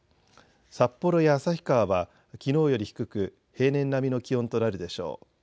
札幌や旭川はきのうより低く平年並みの気温となるでしょう。